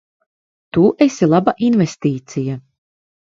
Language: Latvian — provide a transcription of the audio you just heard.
Tu esi laba investīcija.